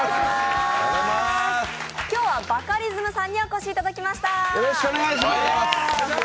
今日はバカリズムさんにお越しいただきました。